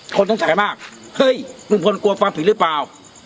คนสงสัยมากเฮ้ยลุงพลกลัวความผิดหรือเปล่า